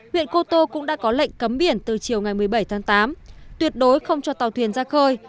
huyện cô tô cũng đã có lệnh cấm biển từ chiều ngày một mươi bảy tháng tám tuyệt đối không cho tàu thuyền ra khơi